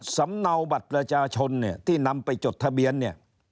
สำเนาบัตรประชาชนที่นำไปจดทะเบียน